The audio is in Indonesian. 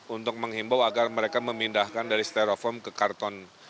untuk menghimbau agar mereka memindahkan dari stereofoam ke karton